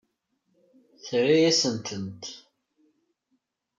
Terra-yasent-tent.